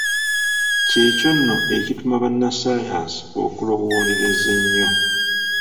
Ky’ekyo nno ekituma bannassaayansi okulowoolereza ennyo.